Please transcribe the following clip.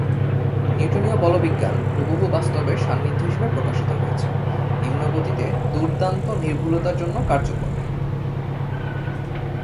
নিউটনীয় বলবিজ্ঞান হুবহু বাস্তবের সান্নিধ্য হিসাবে প্রকাশিত হয়েছে, নিম্ন গতিতে দুর্দান্ত নির্ভুলতার জন্য কার্যকর।